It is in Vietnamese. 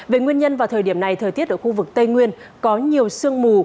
về nguyên nhân vào thời điểm này thời tiết ở khu vực tây nguyên có nhiều sương mù